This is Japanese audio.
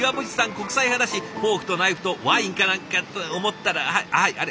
国際派だしフォークとナイフとワインかなんかと思ったらはいあれ？